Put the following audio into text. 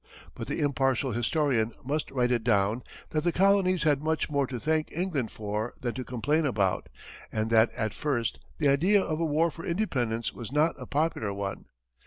But the impartial historian must write it down that the colonies had much more to thank England for than to complain about, and that at first, the idea of a war for independence was not a popular one.